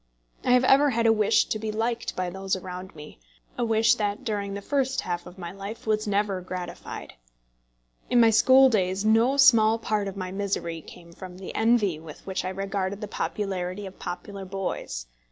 I have ever had a wish to be liked by those around me, a wish that during the first half of my life was never gratified. In my school days no small part of my misery came from the envy with which I regarded the popularity of popular boys.